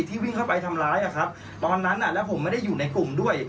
วิ่งเข้าไปทำร้ายอะครับตอนนั้นแล้วผมไม่ได้อยู่ในกลุ่มด้วย